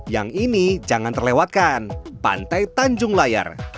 yang ini jangan terlewatkan pantai tanjung layar